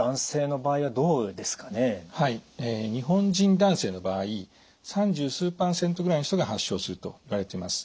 日本人男性の場合三十数％ぐらいの人が発症するといわれています。